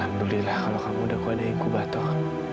alhamdulillah kalau kamu udah kuadain ku batok